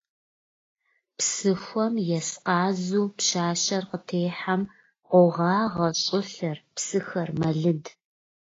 после того как я узнал,